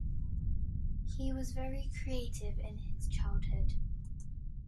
He was very creative in his childhood.